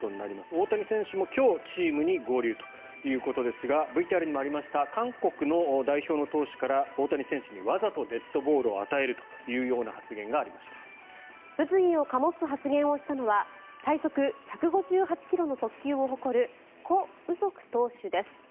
大谷選手も今日チームに合流ということですがＶＴＲにもありました韓国の代表の投手から大谷選手にわざとデッドボールを与えるというような物議を醸す発言をしたのは最速１５８ｋｍの速球を誇るコ・ウソク投手です。